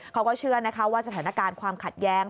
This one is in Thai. เขาก็เชื่อนะคะว่าสถานการณ์ความขัดแย้ง